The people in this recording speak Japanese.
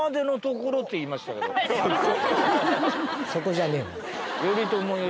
そこじゃねえよ。